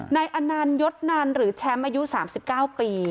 นายอนันยศนันหรือแชมป์อายุ๓๙ปี